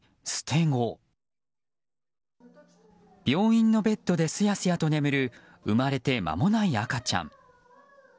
病院のベッドですやすやと眠る生まれてまもない赤ちゃん。